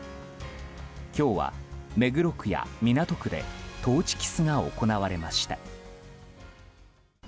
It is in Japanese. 今日は目黒区や港区でトーチキスが行われました。